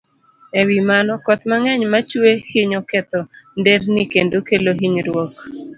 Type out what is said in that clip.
E wi mano, koth mang'eny ma chue, hinyo ketho nderni kendo kelo hinyruok.